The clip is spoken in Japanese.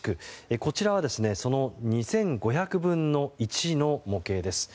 こちらはその２５００分の１の模型です。